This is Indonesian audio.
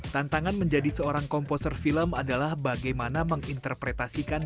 tantangan menjadi seorang komposer film adalah bagaimana menginterpretasikan